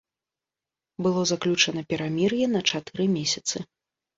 Было заключана перамір'е на чатыры месяцы.